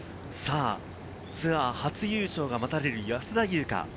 ツアー初優勝が待たれる、安田祐香。